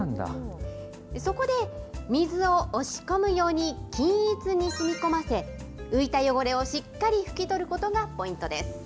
そこで、水を押し込むように均一にしみこませ、浮いた汚れをしっかり拭き取ることがポイントです。